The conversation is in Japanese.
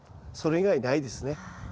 それ以外ないですね。